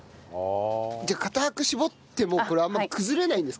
じゃあ固く絞ってもこれあんまり崩れないんですか？